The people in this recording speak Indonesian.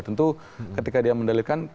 tentu ketika dia mendalilkan